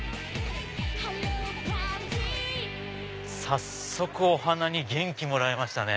早速お花に元気もらいましたね。